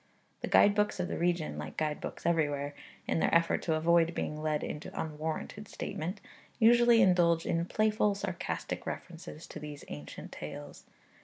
The guide books of the region, like guide books everywhere, in their effort to avoid being led into unwarranted statement, usually indulge in playfully sarcastic references to these ancient tales.